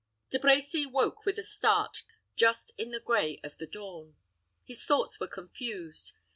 De Brecy woke with a start just in the gray of the dawn. His thoughts were confused.